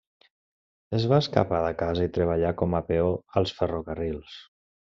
Es va escapar de casa i treballà com a peó als ferrocarrils.